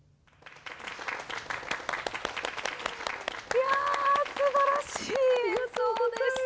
いやすばらしい演奏でした。